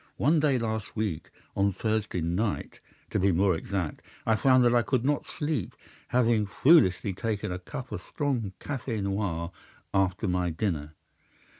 One day last week—on Thursday night, to be more exact—I found that I could not sleep, having foolishly taken a cup of strong caf├® noir after my dinner.